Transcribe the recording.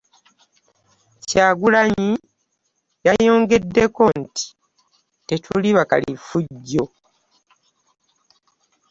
Kyagulanyi yayongeddeko nti, ‘’Tetuli bakaliffujjo.”